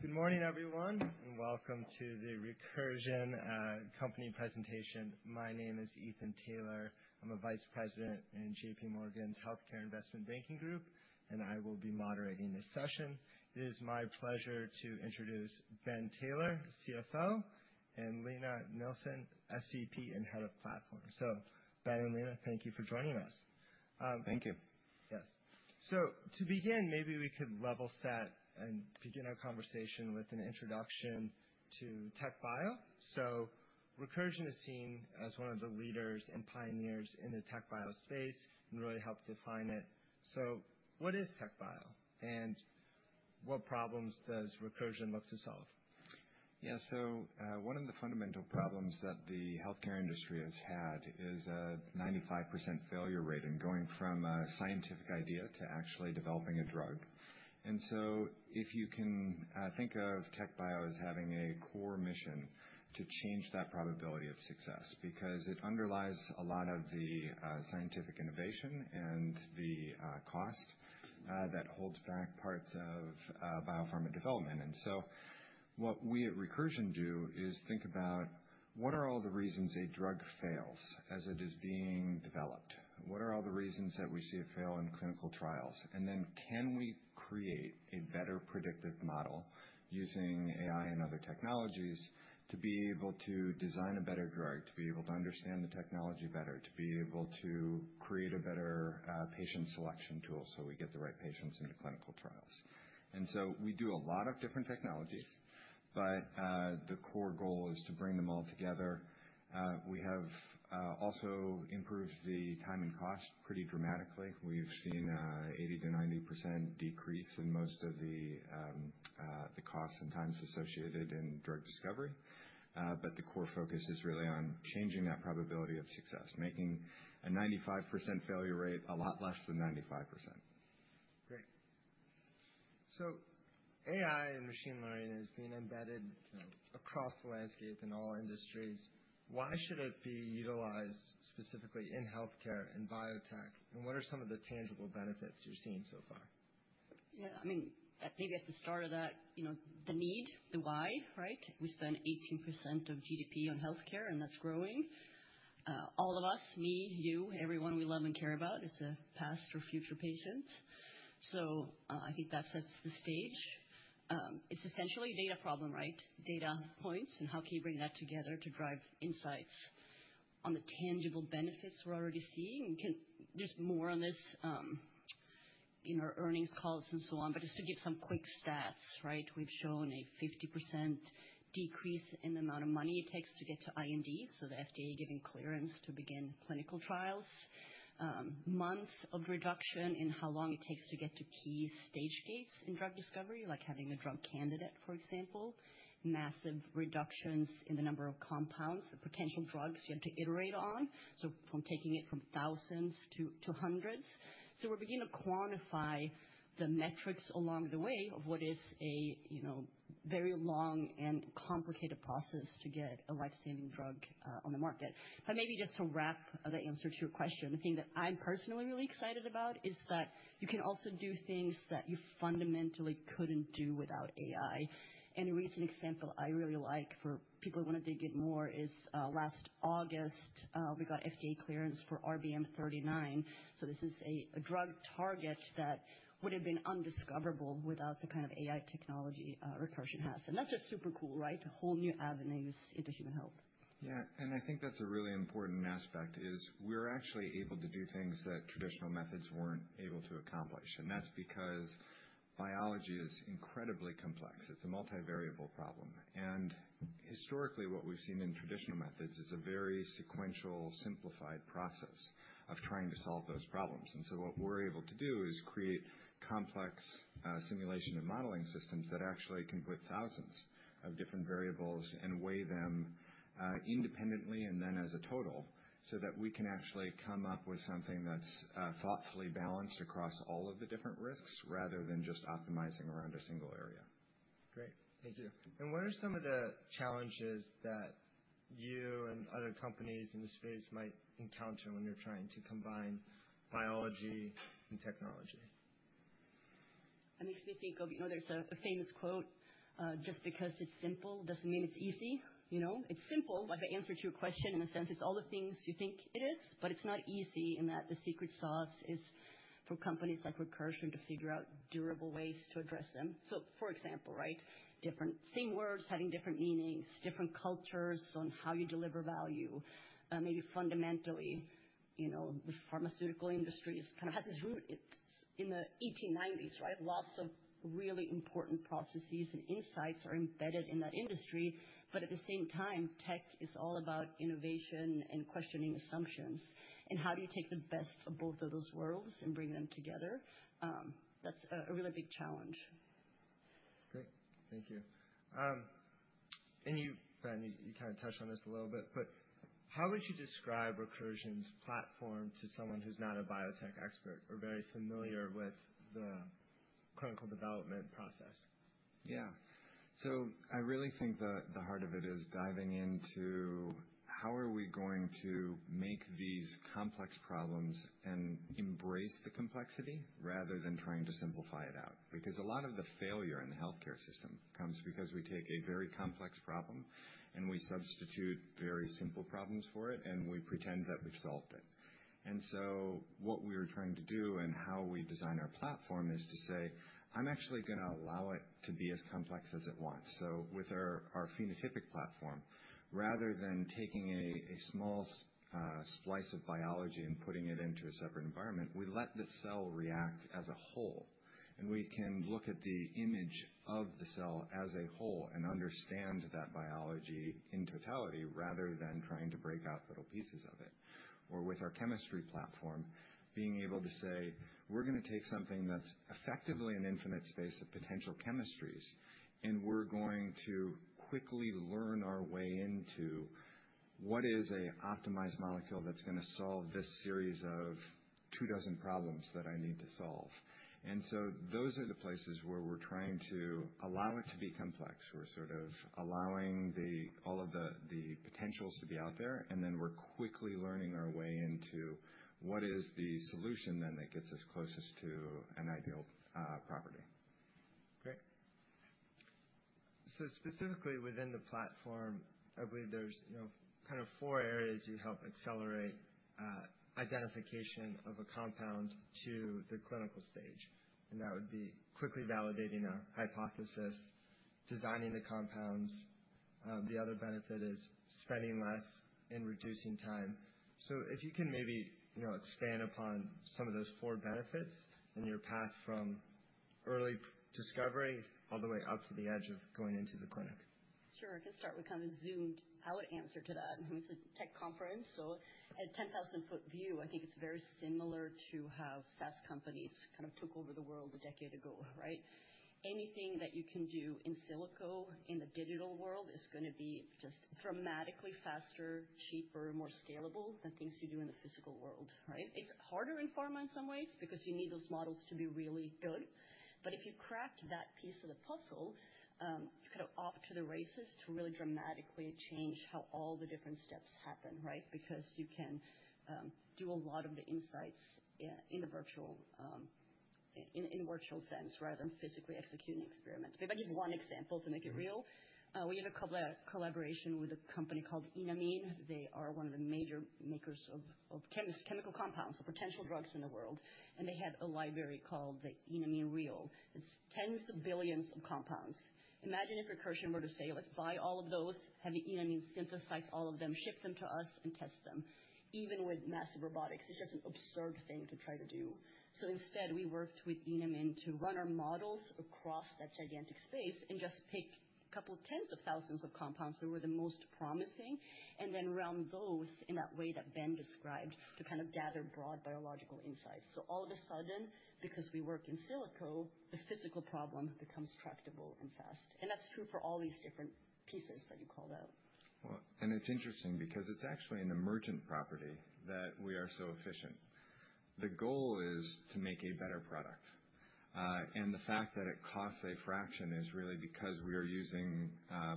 Good morning, everyone, and welcome to the Recursion company presentation. My name is Ethan Taylor. I'm a vice president in J.P. Morgan's Healthcare Investment Banking Group, and I will be moderating this session. It is my pleasure to introduce Ben Taylor, CFO, and Lina Nilsson, SVP and Head of Platform. So, Ben and Lina, thank you for joining us. Thank you. Yes. So, to begin, maybe we could level set and begin our conversation with an introduction to TechBio. So, Recursion is seen as one of the leaders and pioneers in the TechBio space and really helped define it. So, what is TechBio and what problems does Recursion look to solve? Yeah, so one of the fundamental problems that the healthcare industry has had is a 95% failure rate in going from a scientific idea to actually developing a drug. And so, if you can think of TechBio as having a core mission to change that probability of success because it underlies a lot of the scientific innovation and the cost that holds back parts of biopharma development. And so, what we at Recursion do is think about what are all the reasons a drug fails as it is being developed? What are all the reasons that we see it fail in clinical trials? And then, can we create a better predictive model using AI and other technologies to be able to design a better drug, to be able to understand the technology better, to be able to create a better patient selection tool so we get the right patients into clinical trials? And so, we do a lot of different technologies, but the core goal is to bring them all together. We have also improved the time and cost pretty dramatically. We've seen an 80%-90% decrease in most of the costs and times associated in drug discovery, but the core focus is really on changing that probability of success, making a 95% failure rate a lot less than 95%. Great. So, AI and machine learning is being embedded across the landscape in all industries. Why should it be utilized specifically in healthcare and biotech, and what are some of the tangible benefits you're seeing so far? Yeah, I mean, I think at the start of that, you know, the need, the why, right? We spend 18% of GDP on healthcare, and that's growing. All of us, me, you, everyone we love and care about, it's a past or future patient. So, I think that sets the stage. It's essentially a data problem, right? Data points and how can you bring that together to drive insights on the tangible benefits we're already seeing? There's more on this in our earnings calls and so on, but just to give some quick stats, right? We've shown a 50% decrease in the amount of money it takes to get to IND, so the FDA giving clearance to begin clinical trials, months of reduction in how long it takes to get to key stage gates in drug discovery, like having a drug candidate, for example, massive reductions in the number of compounds, the potential drugs you have to iterate on, so from taking it from thousands to hundreds. So, we're beginning to quantify the metrics along the way of what is a, you know, very long and complicated process to get a lifesaving drug on the market. But maybe just to wrap the answer to your question, the thing that I'm personally really excited about is that you can also do things that you fundamentally couldn't do without AI. And a recent example I really like for people who want to dig in more is last August, we got FDA clearance for RBM39. So, this is a drug target that would have been undiscoverable without the kind of AI technology Recursion has. And that's just super cool, right? A whole new avenues into human health. Yeah, and I think that's a really important aspect, is we're actually able to do things that traditional methods weren't able to accomplish. And that's because biology is incredibly complex. It's a multivariable problem. And historically, what we've seen in traditional methods is a very sequential, simplified process of trying to solve those problems. And so, what we're able to do is create complex simulation and modeling systems that actually can put thousands of different variables and weigh them independently and then as a total so that we can actually come up with something that's thoughtfully balanced across all of the different risks rather than just optimizing around a single area. Great. Thank you. What are some of the challenges that you and other companies in the space might encounter when you're trying to combine biology and technology? That makes me think of, you know, there's a famous quote, "Just because it's simple doesn't mean it's easy." You know, it's simple, like the answer to your question in a sense. It's all the things you think it is, but it's not easy in that the secret sauce is for companies like Recursion to figure out durable ways to address them. So, for example, right, different same words having different meanings, different cultures on how you deliver value. Maybe fundamentally, you know, the pharmaceutical industry kind of has this. In the 1890s, right, lots of really important processes and insights are embedded in that industry. But at the same time, tech is all about innovation and questioning assumptions. And how do you take the best of both of those worlds and bring them together? That's a really big challenge. Great. Thank you. And you, Ben, you kind of touched on this a little bit, but how would you describe Recursion's platform to someone who's not a biotech expert or very familiar with the clinical development process? Yeah. So, I really think the heart of it is diving into how are we going to make these complex problems and embrace the complexity rather than trying to simplify it out? Because a lot of the failure in the healthcare system comes because we take a very complex problem and we substitute very simple problems for it, and we pretend that we've solved it. And so, what we are trying to do and how we design our platform is to say, "I'm actually going to allow it to be as complex as it wants." So, with our phenotypic platform, rather than taking a small slice of biology and putting it into a separate environment, we let the cell react as a whole. We can look at the image of the cell as a whole and understand that biology in totality rather than trying to break out little pieces of it. Or with our chemistry platform, being able to say, "We're going to take something that's effectively an infinite space of potential chemistries, and we're going to quickly learn our way into what is an optimized molecule that's going to solve this series of two dozen problems that I need to solve." And so, those are the places where we're trying to allow it to be complex. We're sort of allowing all of the potentials to be out there, and then we're quickly learning our way into what is the solution then that gets us closest to an ideal property. Great. So, specifically within the platform, I believe there's, you know, kind of four areas you help accelerate identification of a compound to the clinical stage. And that would be quickly validating our hypothesis, designing the compounds. The other benefit is spending less and reducing time. So, if you can maybe, you know, expand upon some of those four benefits in your path from early discovery all the way up to the edge of going into the clinic. Sure. I guess start with kind of zoomed out answer to that. I mean, it's a tech conference, so at a 10,000-foot view, I think it's very similar to how SaaS companies kind of took over the world a decade ago, right? Anything that you can do in silico in the digital world is going to be just dramatically faster, cheaper, more scalable than things you do in the physical world, right? It's harder in pharma in some ways because you need those models to be really good. But if you crack that piece of the puzzle, you kind of off to the races to really dramatically change how all the different steps happen, right? Because you can do a lot of the insights in a virtual sense, rather than physically executing experiments. Maybe I'll give one example to make it real. We have a collaboration with a company called Enamine. They are one of the major makers of chemical compounds or potential drugs in the world, and they had a library called the Enamine REAL. It's tens of billions of compounds. Imagine if Recursion were to say, "Let's buy all of those, have Enamine synthesize all of them, ship them to us, and test them." Even with massive robotics, it's just an absurd thing to try to do, so, instead, we worked with Enamine to run our models across that gigantic space and just pick a couple of tens of thousands of compounds that were the most promising, and then round those in that way that Ben described to kind of gather broad biological insights, so, all of a sudden, because we work in silico, the physical problem becomes tractable and fast. That's true for all these different pieces that you called out. It's interesting because it's actually an emergent property that we are so efficient. The goal is to make a better product. The fact that it costs a fraction is really because we are using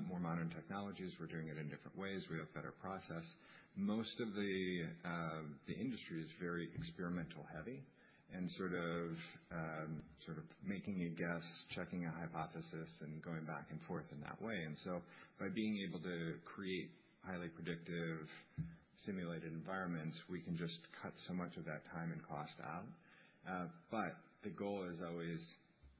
more modern technologies, we're doing it in different ways, we have a better process. Most of the industry is very experimental-heavy and sort of making a guess, checking a hypothesis, and going back and forth in that way. By being able to create highly predictive simulated environments, we can just cut so much of that time and cost out. The goal is always,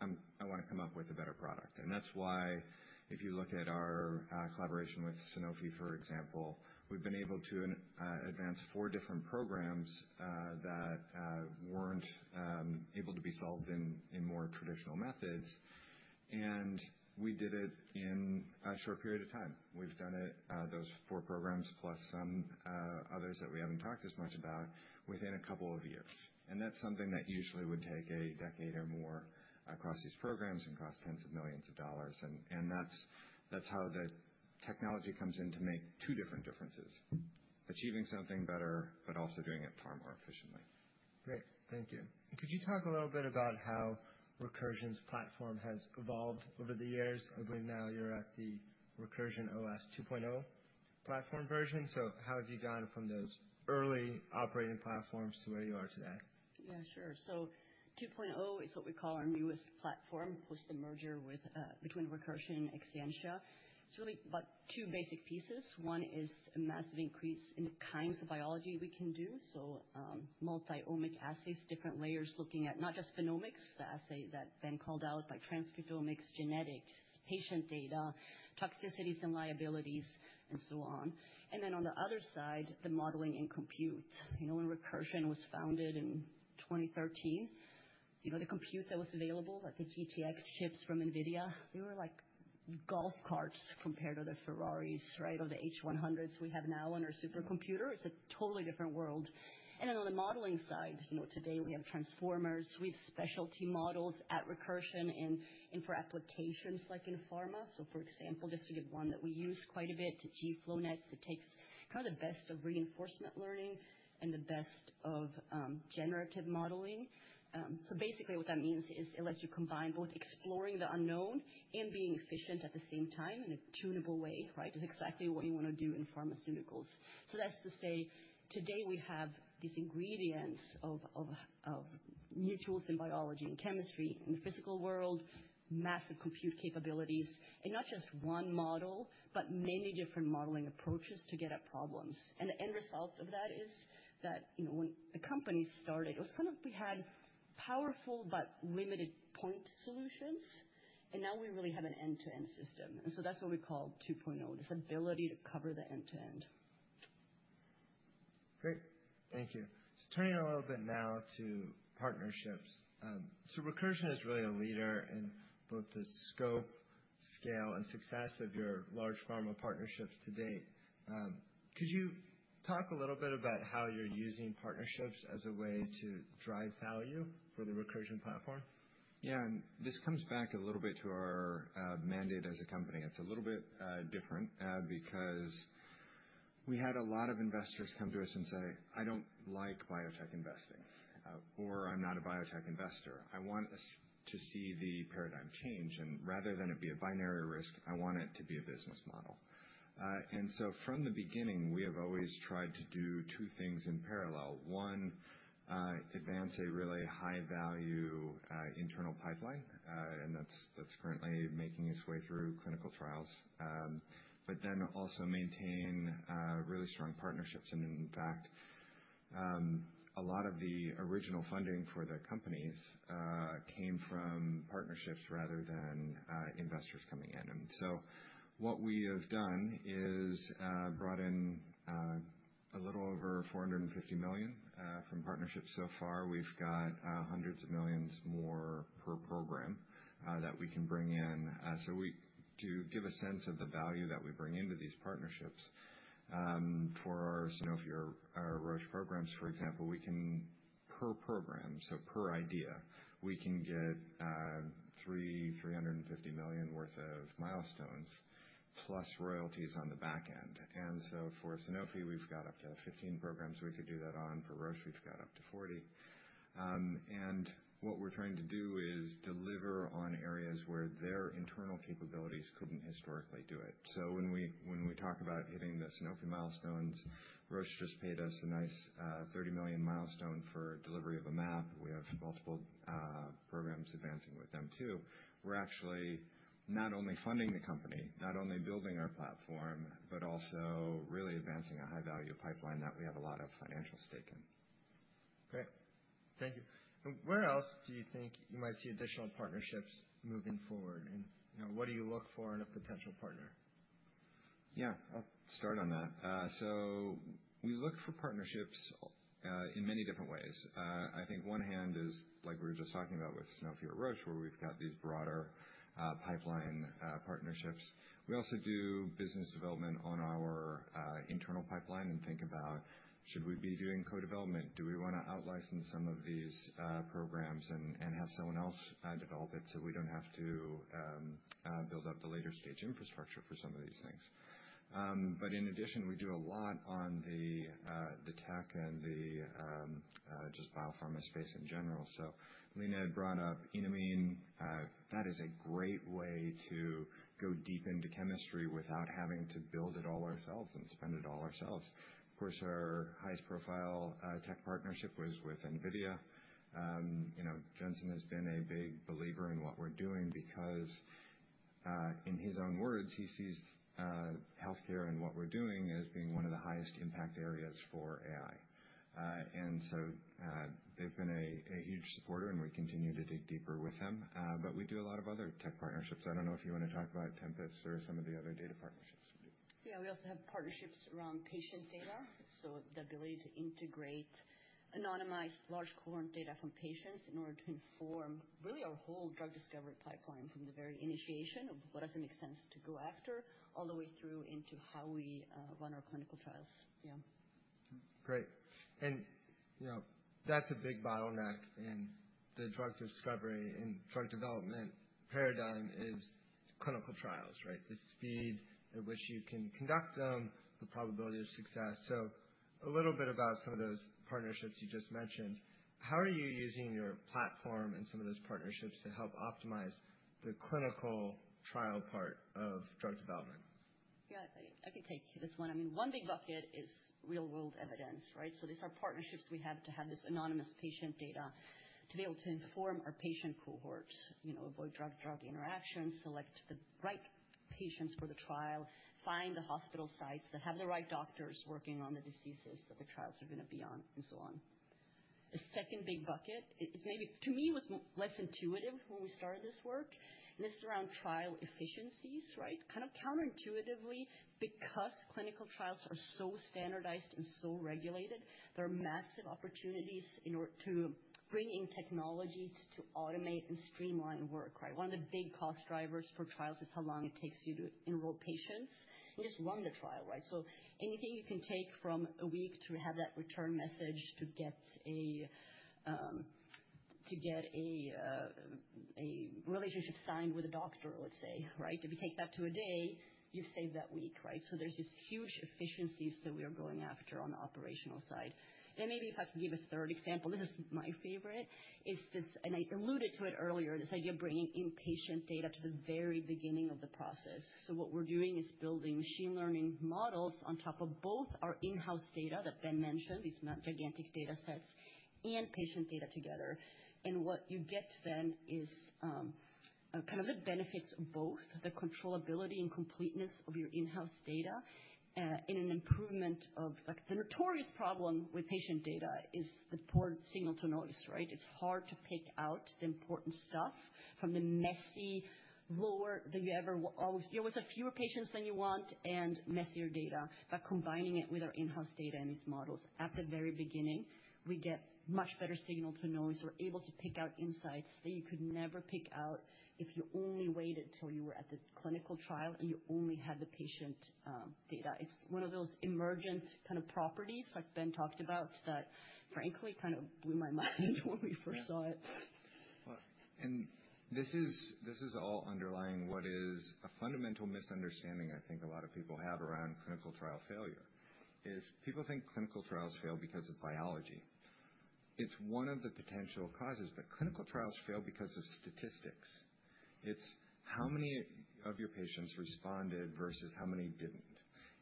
"I want to come up with a better product." That's why if you look at our collaboration with Sanofi, for example, we've been able to advance four different programs that weren't able to be solved in more traditional methods. We did it in a short period of time. We've done those four programs plus some others that we haven't talked as much about within a couple of years. That's something that usually would take a decade or more across these programs and cost tens of millions of dollars. That's how the technology comes in to make two different differences: achieving something better, but also doing it far more efficiently. Great. Thank you. Could you talk a little bit about how Recursion's platform has evolved over the years? I believe now you're at the Recursion OS 2.0 platform version. So, how have you gone from those early operating platforms to where you are today? Yeah, sure. So, 2.0 is what we call our newest platform post the merger between Recursion and Exscientia. It's really about two basic pieces. One is a massive increase in the kinds of biology we can do. So, multi-omic assays, different layers looking at not just phenomics, the assay that Ben called out, but transcriptomics, genetics, patient data, toxicities and liabilities, and so on. And then, on the other side, the modeling and compute. You know, when Recursion was founded in 2013, you know, the compute that was available at the GTX chips from NVIDIA, they were like golf carts compared to the Ferraris, right, or the H100s we have now on our supercomputer. It's a totally different world. And then, on the modeling side, you know, today we have transformers, we have specialty models at Recursion and for applications like in pharma. So, for example, just to give one that we use quite a bit, GFlowNet, it takes kind of the best of reinforcement learning and the best of generative modeling. So, basically, what that means is it lets you combine both exploring the unknown and being efficient at the same time in a tunable way, right? It's exactly what you want to do in pharmaceuticals. So, that's to say today we have these ingredients of molecules in biology and chemistry in the physical world, massive compute capabilities, and not just one model, but many different modeling approaches to get at problems. And the end result of that is that, you know, when the company started, it was kind of we had powerful but limited point solutions, and now we really have an end-to-end system. And so, that's what we call 2.0, this ability to cover the end-to-end. Great. Thank you. So, turning a little bit now to partnerships. So, Recursion is really a leader in both the scope, scale, and success of your large pharma partnerships to date. Could you talk a little bit about how you're using partnerships as a way to drive value for the Recursion platform? Yeah. And this comes back a little bit to our mandate as a company. It's a little bit different because we had a lot of investors come to us and say, "I don't like biotech investing," or, "I'm not a biotech investor. I want to see the paradigm change." And rather than it be a binary risk, I want it to be a business model. And so, from the beginning, we have always tried to do two things in parallel. One, advance a really high-value internal pipeline, and that's currently making its way through clinical trials. But then also maintain really strong partnerships. And in fact, a lot of the original funding for the companies came from partnerships rather than investors coming in. And so, what we have done is brought in a little over $450 million from partnerships. So far, we've got hundreds of millions more per program that we can bring in. To give a sense of the value that we bring into these partnerships for our, you know, if you're Roche programs, for example, we can, per program, so per idea, we can get $335 million worth of milestones plus royalties on the back end. For Sanofi, we've got up to 15 programs we could do that on. For Roche, we've got up to 40. What we're trying to do is deliver on areas where their internal capabilities couldn't historically do it. When we talk about hitting the Sanofi milestones, Roche just paid us a nice $30 million milestone for delivery of a map. We have multiple programs advancing with them too. We're actually not only funding the company, not only building our platform, but also really advancing a high-value pipeline that we have a lot of financial stake in. Great. Thank you. And where else do you think you might see additional partnerships moving forward? And, you know, what do you look for in a potential partner? Yeah. I'll start on that. So, we look for partnerships in many different ways. I think one hand is like we were just talking about with Sanofi or Roche, where we've got these broader pipeline partnerships. We also do business development on our internal pipeline and think about, "Should we be doing co-development? Do we want to out-license some of these programs and have someone else develop it so we don't have to build up the later-stage infrastructure for some of these things?" But in addition, we do a lot on the tech and the just biopharma space in general. So, Lina had brought up Enamine. That is a great way to go deep into chemistry without having to build it all ourselves and spend it all ourselves. Of course, our highest-profile tech partnership was with NVIDIA. You know, Jensen has been a big believer in what we're doing because, in his own words, he sees healthcare and what we're doing as being one of the highest impact areas for AI. And so, they've been a huge supporter, and we continue to dig deeper with them. But we do a lot of other tech partnerships. I don't know if you want to talk about Tempus or some of the other data partnerships. Yeah. We also have partnerships around patient data. So, the ability to integrate anonymized large cohort data from patients in order to inform really our whole drug discovery pipeline from the very initiation of what does it make sense to go after, all the way through into how we run our clinical trials. Yeah. Great, and, you know, that's a big bottleneck in the drug discovery and drug development paradigm is clinical trials, right? The speed at which you can conduct them, the probability of success. So, a little bit about some of those partnerships you just mentioned. How are you using your platform and some of those partnerships to help optimize the clinical trial part of drug development? Yeah. I could take this one. I mean, one big bucket is real-world evidence, right? So, these are partnerships we have to have this anonymous patient data to be able to inform our patient cohorts, you know, avoid drug-drug interactions, select the right patients for the trial, find the hospital sites that have the right doctors working on the diseases that the trials are going to be on, and so on. The second big bucket is maybe, to me, was less intuitive when we started this work. And this is around trial efficiencies, right? Kind of counterintuitively because clinical trials are so standardized and so regulated, there are massive opportunities in order to bring in technology to automate and streamline work, right? One of the big cost drivers for trials is how long it takes you to enroll patients and just run the trial, right? So, anything you can take from a week to have that return message to get a relationship signed with a doctor, let's say, right? If you take that to a day, you've saved that week, right? So, there's this huge efficiencies that we are going after on the operational side. And maybe if I can give a third example, this is my favorite, is this, and I alluded to it earlier, this idea of bringing in patient data to the very beginning of the process. So, what we're doing is building machine learning models on top of both our in-house data that Ben mentioned, these gigantic data sets, and patient data together. And what you get then is kind of the benefits of both, the controllability and completeness of your in-house data and an improvement of, like, the notorious problem with patient data is the poor signal-to-noise, right? It's hard to pick out the important stuff from the messy world that you're in. You always have fewer patients than you want and messier data. But combining it with our in-house data and these models, at the very beginning, we get much better signal-to-noise. We're able to pick out insights that you could never pick out if you only waited till you were at the clinical trial and you only had the patient data. It's one of those emergent kind of properties like Ben talked about that, frankly, kind of blew my mind when we first saw it. Well, and this is all underlying what is a fundamental misunderstanding I think a lot of people have around clinical trial failure, is people think clinical trials fail because of biology. It's one of the potential causes, but clinical trials fail because of statistics. It's how many of your patients responded versus how many didn't.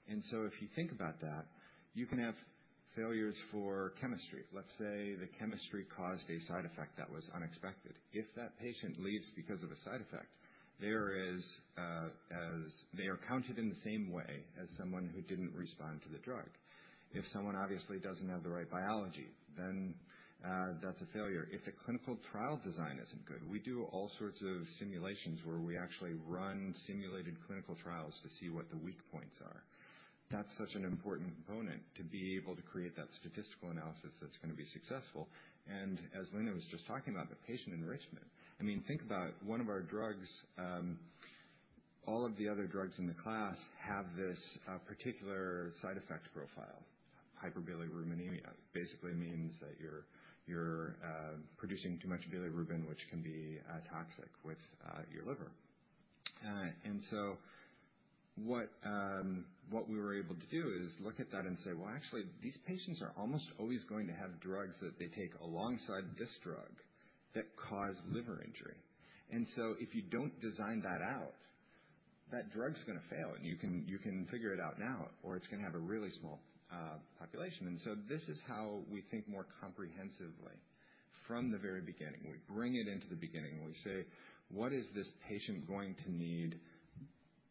And so, if you think about that, you can have failures for chemistry. Let's say the chemistry caused a side effect that was unexpected. If that patient leaves because of a side effect, they are counted in the same way as someone who didn't respond to the drug. If someone obviously doesn't have the right biology, then that's a failure. If the clinical trial design isn't good, we do all sorts of simulations where we actually run simulated clinical trials to see what the weak points are. That's such an important component to be able to create that statistical analysis that's going to be successful. And as Lina was just talking about, the patient enrichment, I mean, think about one of our drugs, all of the other drugs in the class have this particular side effect profile. Hyperbilirubinemia basically means that you're producing too much bilirubin, which can be toxic with your liver. And so, what we were able to do is look at that and say, "Well, actually, these patients are almost always going to have drugs that they take alongside this drug that cause liver injury." And so, if you don't design that out, that drug's going to fail, and you can figure it out now, or it's going to have a really small population. And so, this is how we think more comprehensively from the very beginning. We bring it into the beginning. We say, "What is this patient going to need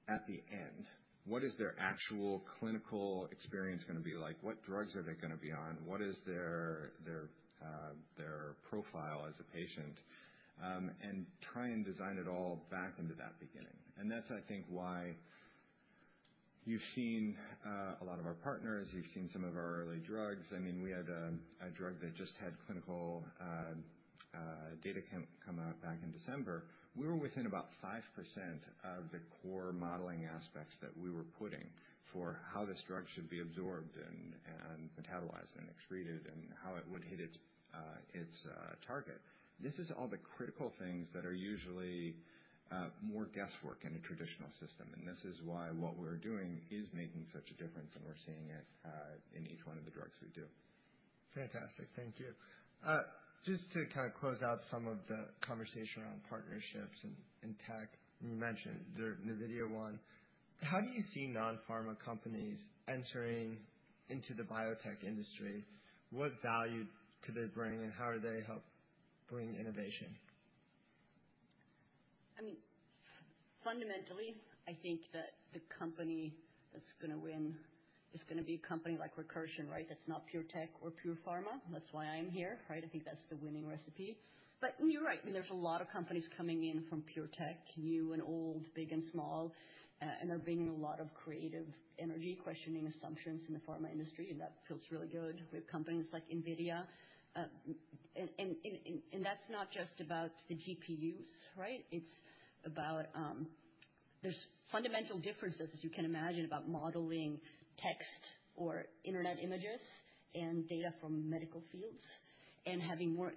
at the end? What is their actual clinical experience going to be like? What drugs are they going to be on? What is their profile as a patient?", and try and design it all back into that beginning, and that's, I think, why you've seen a lot of our partners, you've seen some of our early drugs. I mean, we had a drug that just had clinical data come out back in December. We were within about 5% of the core modeling aspects that we were putting for how this drug should be absorbed and metabolized and excreted and how it would hit its target. This is all the critical things that are usually more guesswork in a traditional system. This is why what we're doing is making such a difference, and we're seeing it in each one of the drugs we do. Fantastic. Thank you. Just to kind of close out some of the conversation around partnerships and tech, you mentioned the NVIDIA one. How do you see non-pharma companies entering into the biotech industry? What value could they bring, and how do they help bring innovation? I mean, fundamentally, I think that the company that's going to win is going to be a company like Recursion, right? That's not pure tech or pure pharma. That's why I'm here, right? I think that's the winning recipe. But you're right. I mean, there's a lot of companies coming in from pure tech, new and old, big and small, and they're bringing a lot of creative energy, questioning assumptions in the pharma industry, and that feels really good. We have companies like NVIDIA. And that's not just about the GPUs, right? It's about there's fundamental differences, as you can imagine, about modeling text or internet images and data from medical fields and having more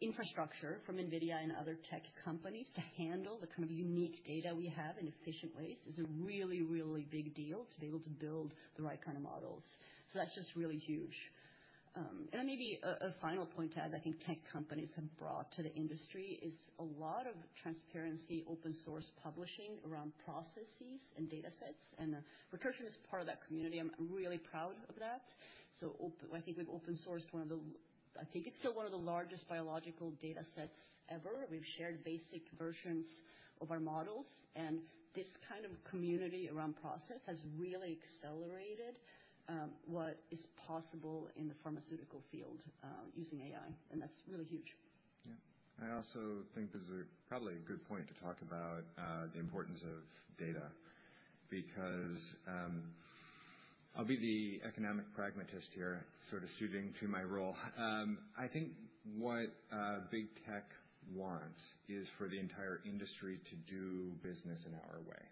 infrastructure from NVIDIA and other tech companies to handle the kind of unique data we have in efficient ways is a really, really big deal to be able to build the right kind of models. So, that's just really huge. And then maybe a final point to add, I think tech companies have brought to the industry is a lot of transparency, open-source publishing around processes and data sets. And Recursion is part of that community. I'm really proud of that. So, I think we've open-sourced one of the, I think it's still one of the largest biological data sets ever. We've shared basic versions of our models. And this kind of community around process has really accelerated what is possible in the pharmaceutical field using AI. And that's really huge. Yeah. I also think this is probably a good point to talk about the importance of data because I'll be the economic pragmatist here, sort of suiting to my role. I think what big tech wants is for the entire industry to do business in our way,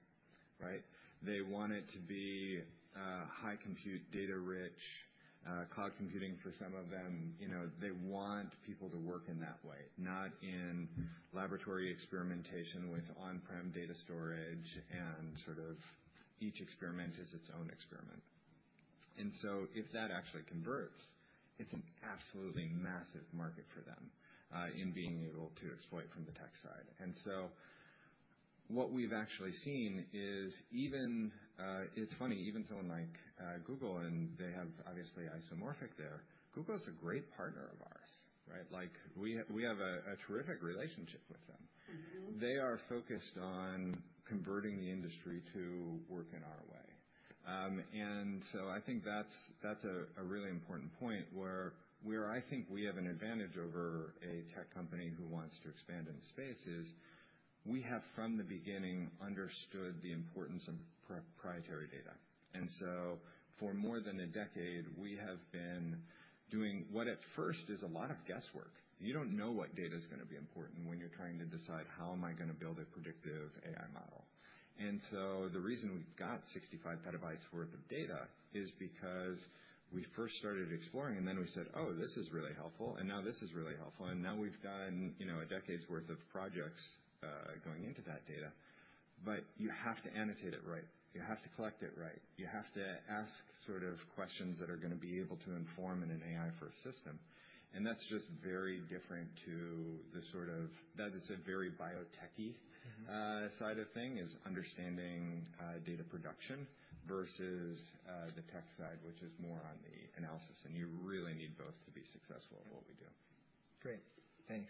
right? They want it to be high-compute, data-rich, cloud computing for some of them. You know, they want people to work in that way, not in laboratory experimentation with on-prem data storage and sort of each experiment is its own experiment. And so, if that actually converts, it's an absolutely massive market for them in being able to exploit from the tech side. And so, what we've actually seen is even, it's funny, even someone like Google, and they have obviously Isomorphic there. Google is a great partner of ours, right? Like, we have a terrific relationship with them. They are focused on converting the industry to work in our way. And so, I think that's a really important point where I think we have an advantage over a tech company who wants to expand in space is we have from the beginning understood the importance of proprietary data. And so, for more than a decade, we have been doing what at first is a lot of guesswork. You don't know what data is going to be important when you're trying to decide, "How am I going to build a predictive AI model?" And so, the reason we've got 65 petabytes worth of data is because we first started exploring, and then we said, "Oh, this is really helpful, and now this is really helpful." And now we've done, you know, a decade's worth of projects going into that data. But you have to annotate it right. You have to collect it right. You have to ask sort of questions that are going to be able to inform in an AI-first system. And that's just very different to the sort of, that is a very biotechy side of thing is understanding data production versus the tech side, which is more on the analysis. And you really need both to be successful at what we do. Great. Thanks.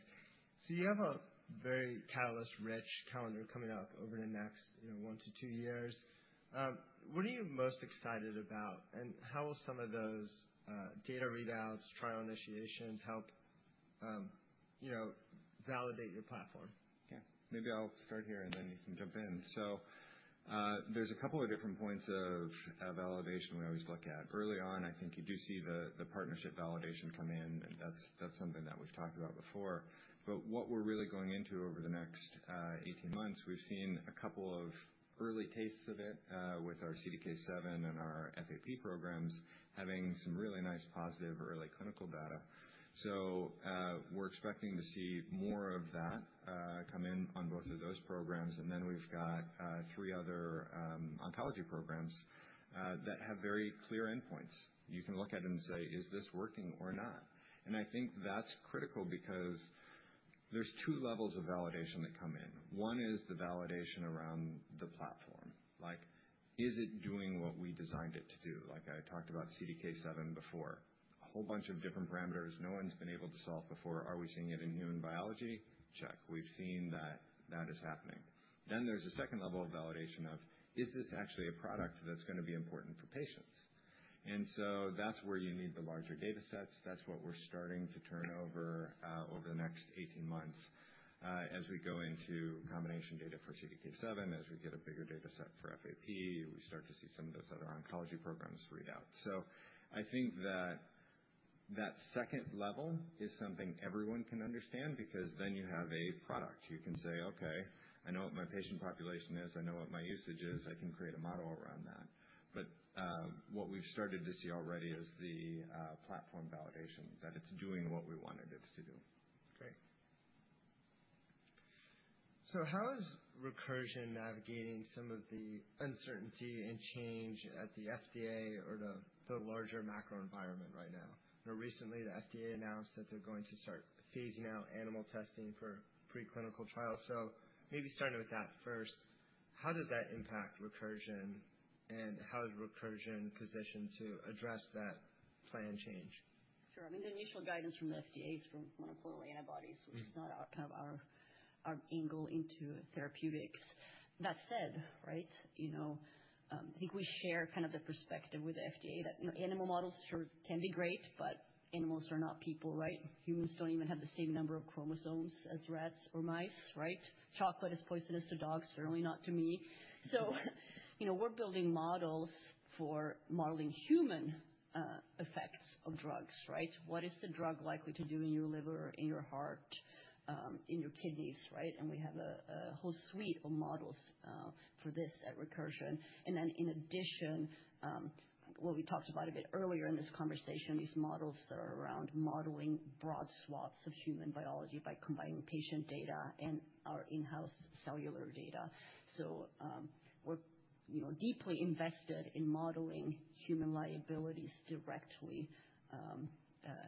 So, you have a very catalyst-rich calendar coming up over the next, you know, one to two years. What are you most excited about, and how will some of those data readouts, trial initiations help, you know, validate your platform? Yeah. Maybe I'll start here, and then you can jump in. So, there's a couple of different points of validation we always look at. Early on, I think you do see the partnership validation come in, and that's something that we've talked about before. But what we're really going into over the next 18 months, we've seen a couple of early tastes of it with our CDK7 and our FAP programs having some really nice positive early clinical data. So, we're expecting to see more of that come in on both of those programs. And then we've got three other oncology programs that have very clear endpoints. You can look at it and say, "Is this working or not?" And I think that's critical because there's two levels of validation that come in. One is the validation around the platform. Like, is it doing what we designed it to do? Like I talked about CDK7 before, a whole bunch of different parameters no one's been able to solve before. Are we seeing it in human biology? Check. We've seen that is happening. Then there's a second level of validation of, "Is this actually a product that's going to be important for patients?" And so, that's where you need the larger data sets. That's what we're starting to turn over the next 18 months as we go into combination data for CDK7, as we get a bigger data set for FAP, we start to see some of those other oncology programs readout. So, I think that second level is something everyone can understand because then you have a product. You can say, "Okay, I know what my patient population is, I know what my usage is, I can create a model around that." But what we've started to see already is the platform validation that it's doing what we wanted it to do. Great. So, how is Recursion navigating some of the uncertainty and change at the FDA or the larger macro environment right now? You know, recently, the FDA announced that they're going to start phasing out animal testing for preclinical trials. So, maybe starting with that first, how does that impact Recursion, and how is Recursion positioned to address that plan change? Sure. I mean, the initial guidance from the FDA is from monoclonal antibodies, which is not kind of our angle into therapeutics. That said, right, you know, I think we share kind of the perspective with the FDA that, you know, animal models sure can be great, but animals are not people, right? Humans don't even have the same number of chromosomes as rats or mice, right? Chocolate is poisonous to dogs, certainly not to me. So, you know, we're building models for modeling human effects of drugs, right? What is the drug likely to do in your liver, in your heart, in your kidneys, right? And we have a whole suite of models for this at Recursion. And then, in addition, what we talked about a bit earlier in this conversation, these models that are around modeling broad swaths of human biology by combining patient data and our in-house cellular data. So, we're, you know, deeply invested in modeling human biology directly,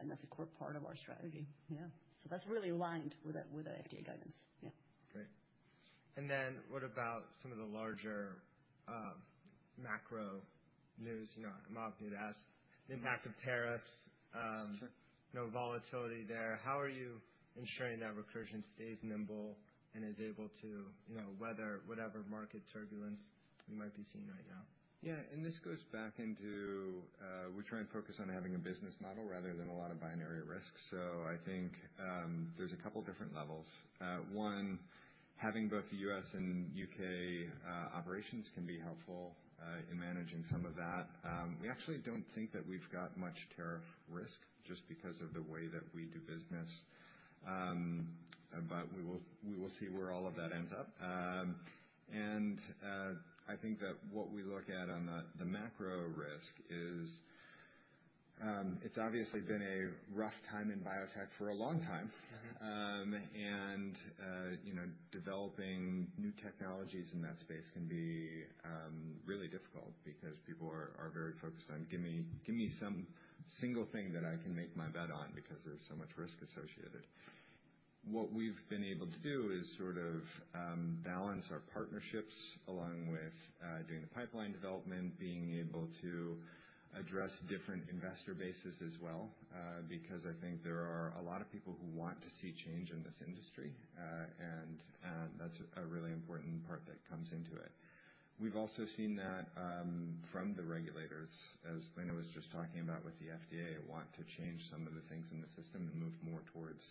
and that's a core part of our strategy. Yeah. So, that's really aligned with the FDA guidance. Yeah. Great and then what about some of the larger macro news? You know, I'm often asked the impact of tariffs. No volatility there. How are you ensuring that Recursion stays nimble and is able to, you know, weather whatever market turbulence we might be seeing right now? Yeah. And this goes back into we try and focus on having a business model rather than a lot of binary risk. So, I think there's a couple of different levels. One, having both the U.S. and U.K. operations can be helpful in managing some of that. We actually don't think that we've got much tariff risk just because of the way that we do business, but we will see where all of that ends up. And I think that what we look at on the macro risk is it's obviously been a rough time in biotech for a long time. And, you know, developing new technologies in that space can be really difficult because people are very focused on, "Give me some single thing that I can make my bet on," because there's so much risk associated. What we've been able to do is sort of balance our partnerships along with doing the pipeline development, being able to address different investor bases as well, because I think there are a lot of people who want to see change in this industry, and that's a really important part that comes into it. We've also seen that from the regulators, as Lina was just talking about with the FDA, want to change some of the things in the system and move more towards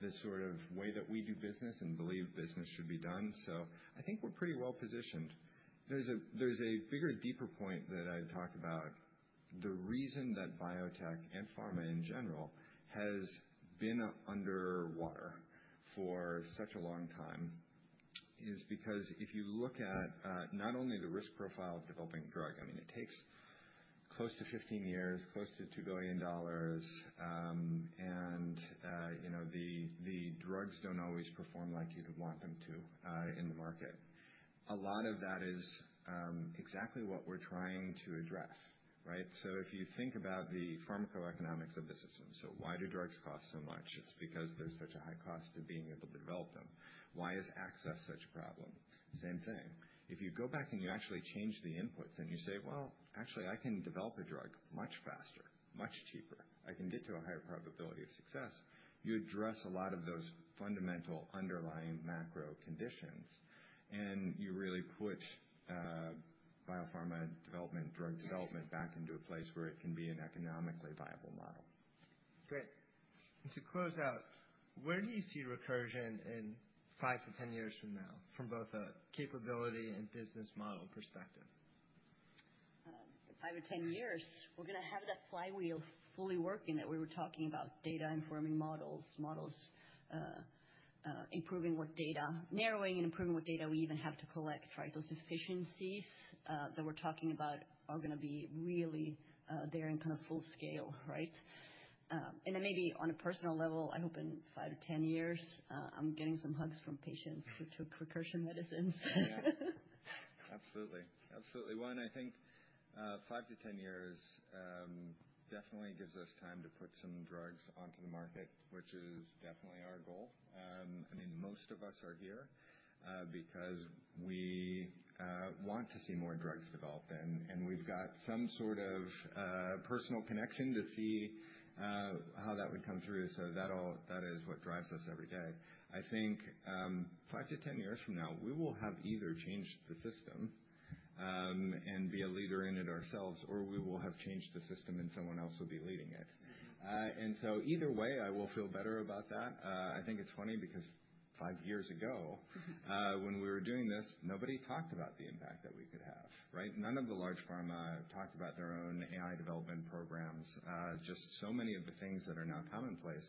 this sort of way that we do business and believe business should be done. So, I think we're pretty well positioned. There's a bigger, deeper point that I talk about. The reason that biotech and pharma in general has been underwater for such a long time is because if you look at not only the risk profile of developing a drug, I mean, it takes close to 15 years, close to $2 billion, and, you know, the drugs don't always perform like you'd want them to in the market. A lot of that is exactly what we're trying to address, right? So, if you think about the pharmacoeconomics of the system, so why do drugs cost so much? It's because there's such a high cost to being able to develop them. Why is access such a problem? Same thing. If you go back and you actually change the inputs and you say, "Well, actually, I can develop a drug much faster, much cheaper. I can get to a higher probability of success. You address a lot of those fundamental underlying macro conditions, and you really put biopharma development, drug development back into a place where it can be an economically viable model. Great. And to close out, where do you see Recursion in five to ten years from now, from both a capability and business model perspective? In five or 10 years, we're going to have that flywheel fully working that we were talking about, data-informing models, models improving what data, narrowing and improving what data we even have to collect, right? Those efficiencies that we're talking about are going to be really there in kind of full scale, right? And then maybe on a personal level, I hope in five to 10 years, I'm getting some hugs from patients who took Recursion medicines. Yeah. Absolutely. Absolutely. One, I think five to ten years definitely gives us time to put some drugs onto the market, which is definitely our goal. I mean, most of us are here because we want to see more drugs developed, and we've got some sort of personal connection to see how that would come through. So, that is what drives us every day. I think five to ten years from now, we will have either changed the system and be a leader in it ourselves, or we will have changed the system and someone else will be leading it. And so, either way, I will feel better about that. I think it's funny because five years ago, when we were doing this, nobody talked about the impact that we could have, right? None of the large pharma talked about their own AI development programs. Just so many of the things that are now commonplace,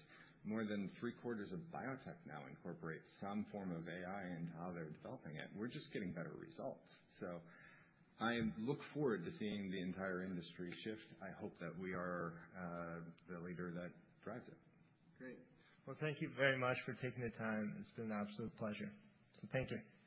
more than three quarters of biotech now incorporate some form of AI into how they're developing it. We're just getting better results. So, I look forward to seeing the entire industry shift. I hope that we are the leader that drives it. Great. Well, thank you very much for taking the time. It's been an absolute pleasure. So, thank you. Thank you.